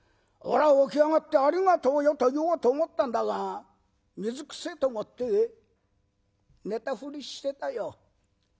俺は起き上がって『ありがとうよ』と言おうと思ったんだが水くせえと思って寝たふりしてたよ。